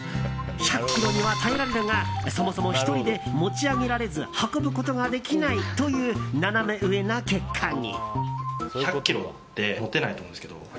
１００ｋｇには耐えられるがそもそも１人で持ち上げられず運ぶことができないというナナメ上な結果に。